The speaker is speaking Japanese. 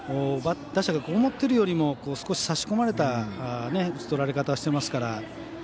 打者が思っているよりも少し差し込まれた打ち取られ方をしていますから。